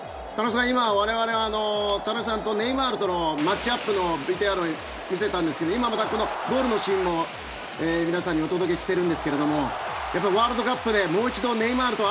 今、我々は田中さんとネイマールとのマッチアップのＶＴＲを見ていたんですが今、ゴールのシーンを皆さんにお届けしているんですがワールドカップでもう一度ネイマールと